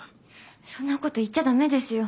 そんなこと言っちゃダメですよ。